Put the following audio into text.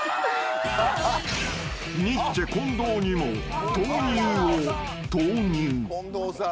［ニッチェ近藤にも「豆乳を投入」］